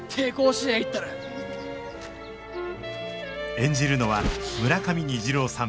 演じるのは村上虹郎さん